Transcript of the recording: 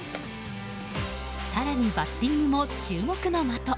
更にバッティングも注目の的。